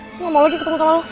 ini gak mau lagi ketemu sama lo